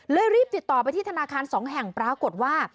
รีบติดต่อไปที่ธนาคาร๒แห่งปรากฏว่า